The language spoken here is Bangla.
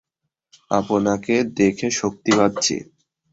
আপনাকে দেখে শক্তি পাচ্ছি!